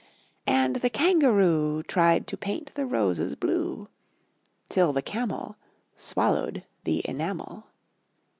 And the Kangaroo Tried to paint the Roses blue Till the Camel Swallowed the Enamel.